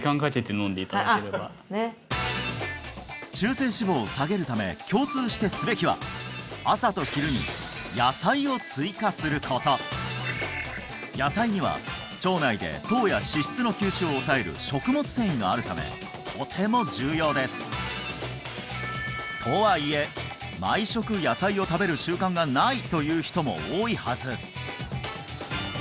中性脂肪を下げるため共通してすべきは朝と昼に野菜を追加すること野菜には腸内で糖や脂質の吸収を抑える食物繊維があるためとても重要ですとはいえという人も多いはず